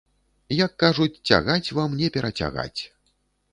Як кажуць, цягаць вам не перацягаць.